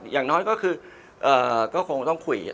อย่างน้อยก็คือก็คงต้องคุย